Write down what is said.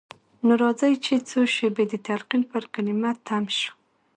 نو راځئ چې څو شېبې د تلقين پر کلمه تم شو.